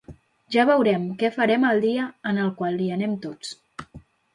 Ja veurem què farem el dia en el qual hi anem tots.